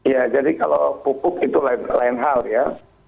ya jadi kalau pupuk itu lain hal ya